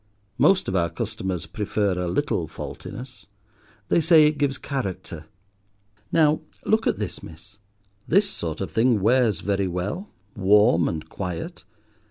Most of our customers prefer a little faultiness. They say it gives character. Now, look at this, miss. This sort of thing wears very well, warm and quiet.